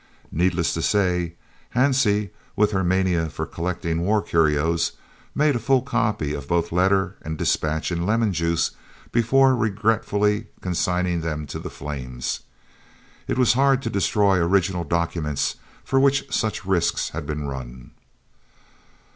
Needless to say, Hansie, with her mania for collecting war curios, made a full copy of both letter and dispatch in lemon juice before regretfully consigning them to the flames. It was hard to destroy original documents for which such risks had been run!